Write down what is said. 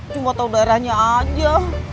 cuma tahu daerahnya aja